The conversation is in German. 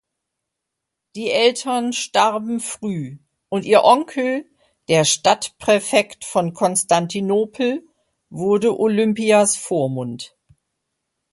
Die Eltern starben früh und ihr Onkel, der Stadtpräfekt von Konstantinopel wurde Olympias Vormund.